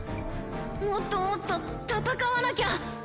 もっともっと闘わなきゃ。